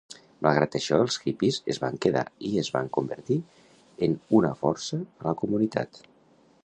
Malgrat això, els hippies es van quedar i es van convertir en una força a la comunitat.